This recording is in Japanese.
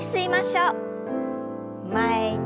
前に。